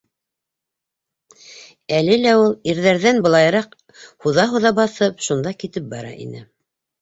Әле лә ул, ирҙәрҙән былайыраҡ һуҙа-һуҙа баҫып, шунда китеп бара ине.